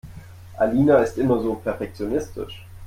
Alina ist immer so perfektionistisch.